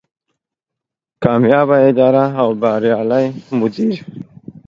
کاميابه اداره او بريالی مدير